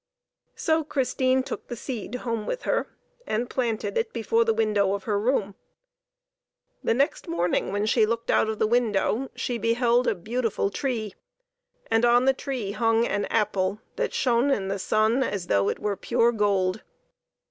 So Christine took the seed home with her, and planted it before the window of her room. The next morning when she looked out of the window she beheld a beautiful tree, and on the tree hung an apple that shone in the sun as though it were pure gold.